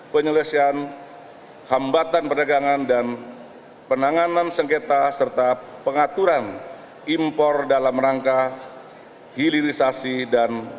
penyelesaian hambatan perdagangan dan penanganan sengketa serta pengaturan impor dalam rangka hilirisasi dan